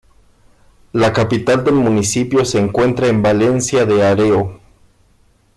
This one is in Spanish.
La capital del municipio se encuentra en Valencia de Areo.